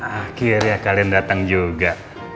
akhirnya kalian datang juga